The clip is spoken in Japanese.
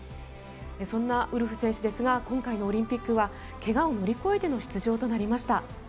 そんなウルフ選手ですが今回のオリンピックは怪我を乗り越えての出場となりました。